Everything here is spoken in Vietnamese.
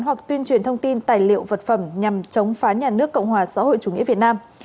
hoặc tuyên truyền thông tin tài liệu vật phẩm nhằm chống phá nhà nước cộng hòa xã hội chủ nghĩa việt nam